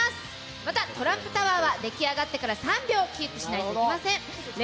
またトランプタワーはでき上がってから３分キープしないといけません。